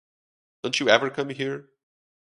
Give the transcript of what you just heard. Don't you ever come here?